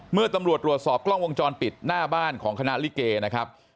เมื่อตำรวจตรวจสอบกล้องวงจรปิดหน้าบ้านของคณะลิเกนะครับ